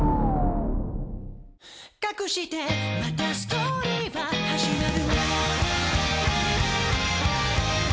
「かくしてまたストーリーは始まる」